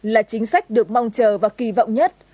là chính sách được mong chờ và kỳ vọng nhất